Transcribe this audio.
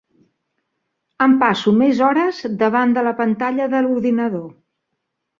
Em passo més hores davant de la pantalla de l'ordinador.